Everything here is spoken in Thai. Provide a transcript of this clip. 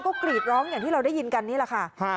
ก็กรีดร้องอย่างที่เราได้ยินกันนี่แหละค่ะ